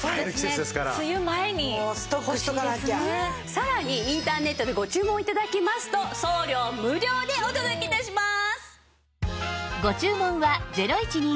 さらにインターネットでご注文頂きますと送料無料でお届け致します！